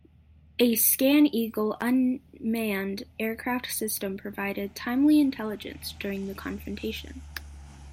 A ScanEagle unmanned aircraft system provided timely intelligence during the confrontation.